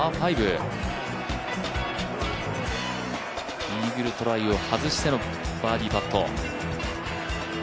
イーグルトライを外してのバーディーパット。